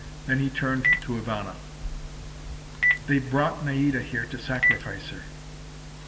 Then he turned to Ivana. "They've brought Naida here to sacrifice her."